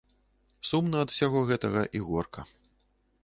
Сумна ад усяго гэтага і горка.